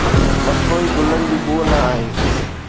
مصنوعي گلن جي بوء نه آهي